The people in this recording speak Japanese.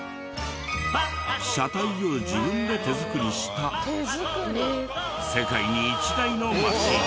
車体を自分で手作りした世界に１台のマシン。